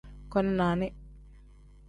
Koni nani.